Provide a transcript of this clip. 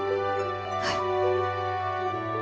はい。